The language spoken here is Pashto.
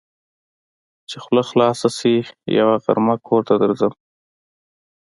چې خوله خلاصه شي؛ يوه غرمه کور ته درځم.